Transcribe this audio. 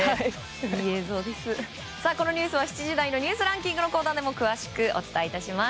このニュースは７時台のニュースランキングのコーナーでも詳しくお伝えします。